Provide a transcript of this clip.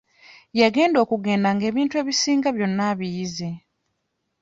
Yagenda okugenda nga ebintu ebisinga byonna abiyize.